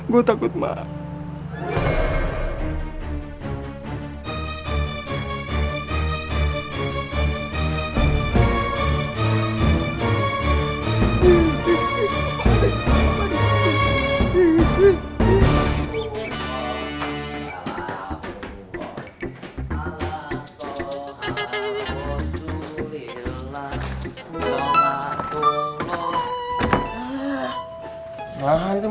gue takut mati